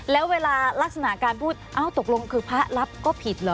แล้วเวลาลักษณะการพูดเอ้าตกลงคือพระรับก็ผิดเหรอ